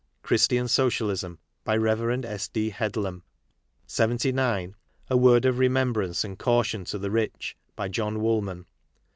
Christian Socialism. By Rev. S. D. Headlam. 79. A Word ol Remembrance and Caiition to the Rich. By John Woolman.